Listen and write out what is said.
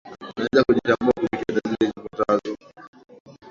unaweza kujitambua kupitia dalili zifuatazo